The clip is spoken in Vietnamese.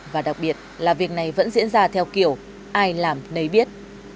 và đặc biệt là việc này vẫn diễn ra theo kiểu ai làm nấy biết